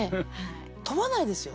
飛ばないですよね？